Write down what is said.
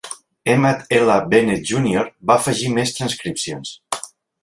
Emmett L. Bennett, júnior va afegir més transcripcions.